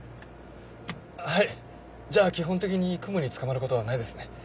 はいじゃあ基本的に雲につかまることはないですね。